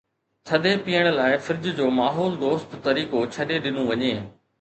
ٿڌي پيئڻ لاءِ فرج جو ماحول دوست طريقو ڇڏي ڏنو وڃي.